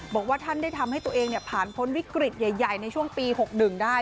บอกว่าท่านได้ทำให้ตัวเองผ่านพ้นวิกฤตใหญ่ในช่วงปี๖๑ได้